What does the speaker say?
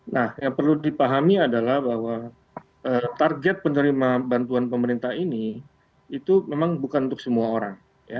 nah yang perlu dipahami adalah bahwa target penerima bantuan pemerintah ini itu memang bukan untuk semua orang